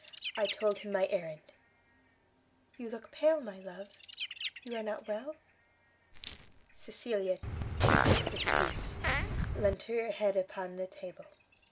I told him my errand. You look pale, my love? You are not well? " Cecilia, too sick for speech, leant her head upon a table.